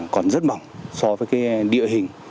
còn rất mỏng so với địa hình